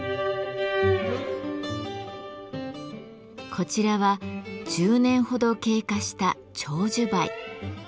こちらは１０年ほど経過した長寿梅。